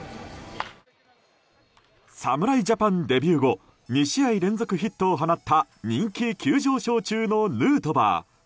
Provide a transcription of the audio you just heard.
侍ジャパンデビュー後２試合連続ヒットを放った人気急上昇中のヌートバー。